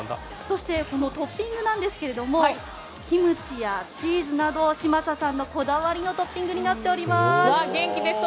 そしてトッピングですがキムチやチーズなど嶋佐さんのこだわりのトッピングになっています。